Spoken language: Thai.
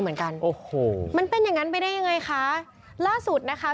เหมือนกันโอ้โหมันเป็นอย่างงั้นไปได้ยังไงคะล่าสุดนะคะ